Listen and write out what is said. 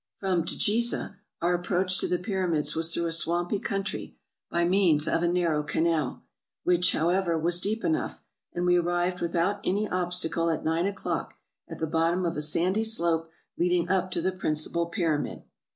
From Djiza our approach to the Pyramids was through a swampy country, by means of a narrow canal, which, however, was deep enough ; and we arrived without any obstacle at nine o'clock at the bottom of a sandy slope leading up to the principal pyramid.